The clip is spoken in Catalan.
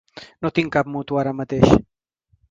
No tinc cap mútua ara mateix.